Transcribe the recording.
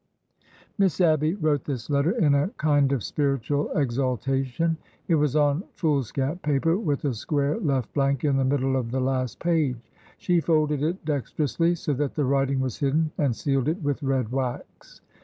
'' Miss Abby wrote this letter in a kind of spiritual exal tation. It was on foolscap paper, with a square left blank in the middle of the last page. She folded it dex terously, so that the writing was hidden, and sealed it with red wax.